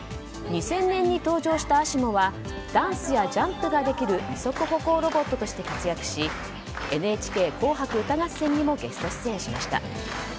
２０００年に登場したＡＳＩＭＯはダンスやジャンプができる二足歩行ロボットとして活躍し「ＮＨＫ紅白歌合戦」にもゲスト出演しました。